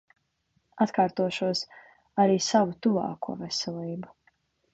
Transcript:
Atkārtošos, arī savu tuvāko veselību.